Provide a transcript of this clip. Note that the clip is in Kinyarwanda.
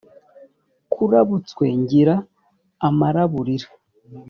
kurabutswe ngira amaraburira